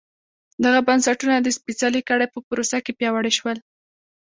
دغه بنسټونه د سپېڅلې کړۍ په پروسه کې پیاوړي شول.